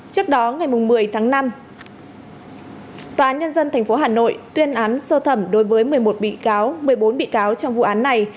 trước đó ngày một mươi tháng năm tòa án nhân dân tp hà nội tuyên án sơ thẩm đối với một mươi một bị cáo một mươi bốn bị cáo trong vụ án này